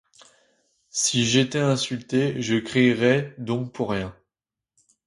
Si j’étais insultée, je crierais donc pour rien?...